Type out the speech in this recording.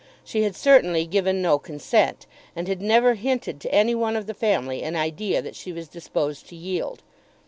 She had certainly given no consent, and had never hinted to any one of the family an idea that she was disposed to yield.